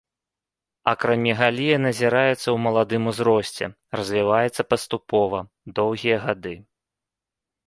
Акрамегалія назіраецца ў маладым узросце, развіваецца паступова, доўгія гады.